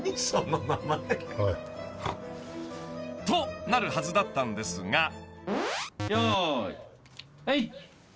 ［となるはずだったんですが］